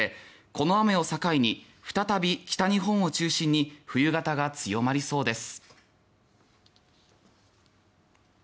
この雨を境に再び、北日本中心に冬型が強まりそうです。